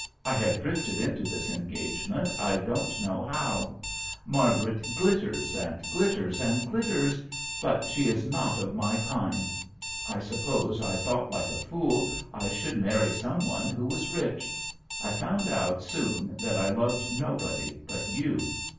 I had drifted into this engage ment I don't know how. Mar garet glitters and glitters and glitters, but she is not of my kind. L suppose I thought, like a fool, I should marry some one who was rich. I found out soon that I loved nobody but you.